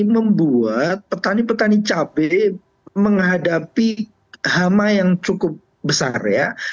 membuat petani petani cabai menghadapi hama yang cukup besar